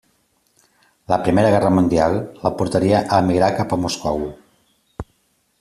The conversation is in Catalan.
La Primera Guerra Mundial la portaria a emigrar cap a Moscou.